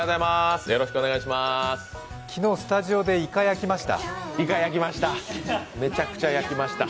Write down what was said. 昨日、スタジオでいか、焼きました？